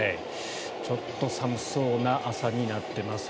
ちょっと寒そうな朝になっています。